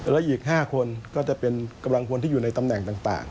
และอีก๕คนก็จะเป็นกำลังพลที่อยู่ในตำแหน่งต่าง